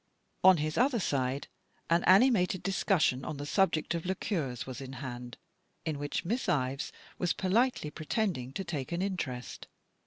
On his other side an animated discussion on the subject of liqueurs was in hand, in which Miss Ives was politely pretending to take an interest.